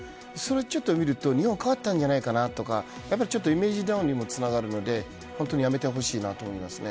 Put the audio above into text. ちょっと見ると日本が変わったんじゃないかなとかイメージダウンにもつながるのでやめてほしいなと思いますね。